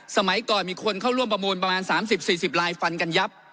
สมัยก่อนมีคนเข้าร่วมประมูลประมาณ๓๐๔๐ลายฟันกันยับ